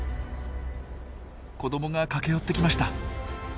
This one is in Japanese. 子どもが駆け寄ってきました。